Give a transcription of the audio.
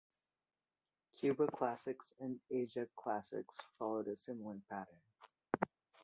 "Cuba Classics" and "Asia Classics" followed a similar pattern.